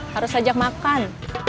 harus ajak makan